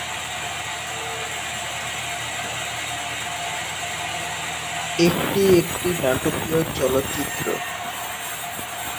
একটি একটি নাটকীয় চলচ্চিত্র।